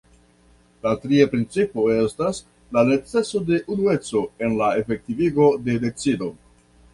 La tria principo estas la neceso de unueco en la efektivigo de decido.